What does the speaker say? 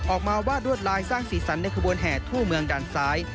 วาดรวดลายสร้างสีสันในขบวนแห่ทั่วเมืองด้านซ้าย